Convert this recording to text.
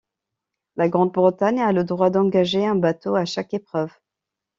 La Grande-Bretagne a le droit d'engager un bateau à chaque épreuve.